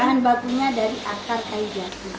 bahan bakunya dari akar kayu jati